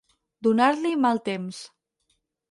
Donar-li mal temps.